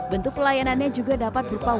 bentuk pelayanannya juga dapat berupa work in